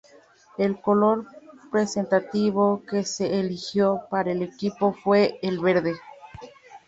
El color representativo que se eligió para el equipo fue el verde.